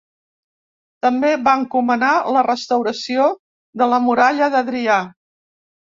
També va encomanar la restauració de la muralla d'Adrià.